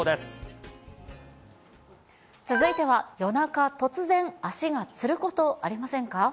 続いては、夜中突然、足がつること、ありませんか？